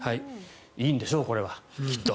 いいんでしょう、これはきっと。